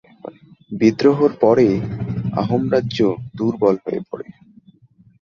বিদ্রোহের পরে আহোম রাজ্য দুর্বল হয়ে পড়ে।